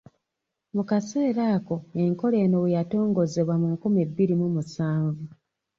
Mu kaseera ako enkola eno we yatongozebwa mu nkumi bbiri mu musanvu.